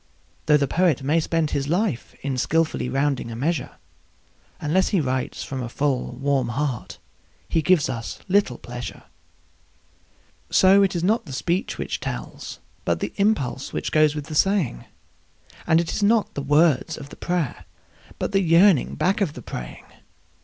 Though the poet may spend his life in skilfully rounding a measure, Unless he writes from a full, warm heart he gives us little pleasure. So it is not the speech which tells, but the impulse which goes with the saying; And it is not the words of the prayer, but the yearning back of the praying.